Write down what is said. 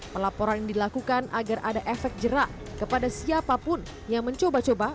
pelaporan ini dilakukan agar ada efek jerak kepada siapapun yang mencoba coba